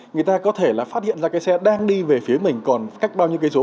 người ta có thể là phát hiện ra cái xe đang đi về phía mình còn cách bao nhiêu cây số